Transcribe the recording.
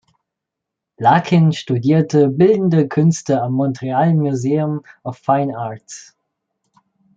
Larkin studierte Bildende Künste am Montreal Museum of Fine Arts.